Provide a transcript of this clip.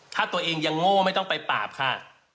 ถ้าตัวเองยังโง่ไม่ต้องไปปราบค่ะ